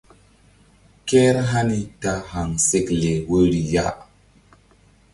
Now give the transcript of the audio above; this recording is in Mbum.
Kehr hani ta kéhaŋsekle woyri ya.